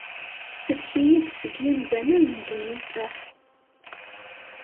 Sellek-iyi-d seg yimdanen n ddunit-a.